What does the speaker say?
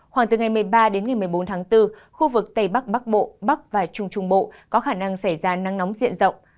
khoảng từ ngày một mươi ba đến ngày một mươi bốn tháng bốn khu vực tây bắc bắc bộ bắc và trung trung bộ có khả năng xảy ra nắng nóng diện rộng